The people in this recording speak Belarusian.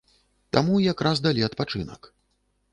Таму як раз далі адпачынак.